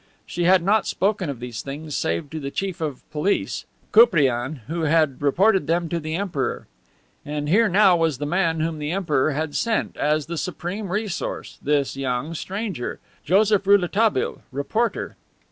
She had not spoken of these things save to the Chief of Police, Koupriane, who had reported them to the Emperor. And here now was the man whom the Emperor had sent, as the supreme resource, this young stranger Joseph Rouletabille, reporter.